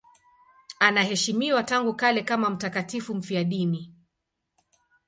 Anaheshimiwa tangu kale kama mtakatifu mfiadini.